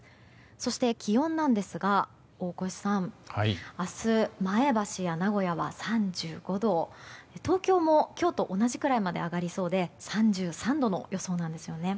そして気温なんですが大越さん、明日前橋や名古屋は３５度東京も今日と同じくらいまで上がりそうで３３度の予想なんです。